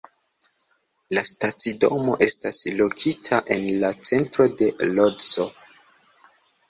La stacidomo estas lokita en la centro de Lodzo.